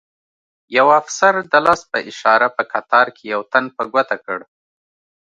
یو افسر د لاس په اشاره په قطار کې یو تن په ګوته کړ.